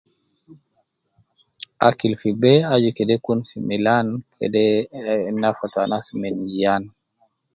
Akili fi bee aju kede kun Milan kede nafatu anas min jiaan